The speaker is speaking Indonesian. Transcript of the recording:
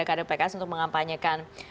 kdpks untuk mengampanyekan